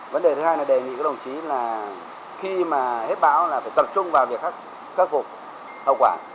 vấn đề thứ hai là đề nghị các đồng chí là khi mà hết bão là phải tập trung vào việc khắc phục hậu quả